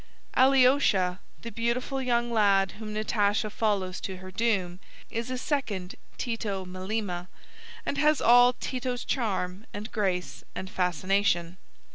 Aleosha, the beautiful young lad whom Natasha follows to her doom, is a second Tito Melema, and has all Tito's charm and grace and fascination.